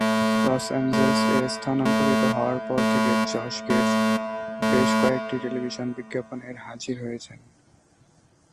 Loss Angeles এ স্থানান্তরিত হওয়ার পর থেকে জশ গেটস বেশ কয়েকটি টেলিভিশন বিজ্ঞাপনে হাজির হয়েছেন।